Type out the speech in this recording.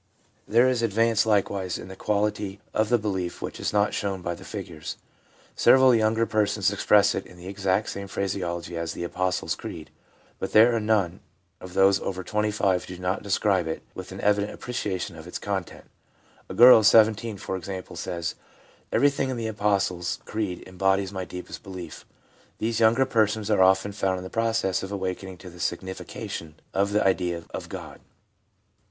There is advance likewise in the quality of the belief which is not shown by the figures. Several of the younger persons express it in the exact phrase ology of the Apostles' Creed ; but there are none of those over 25 who do not describe it with an evident appreciation of its content. A girl of 17, for example, says :' Everything in the Apostles' Creed embodies my deepest belief/ These younger persons are often found in the process of awakenings to the signification of the idea of God.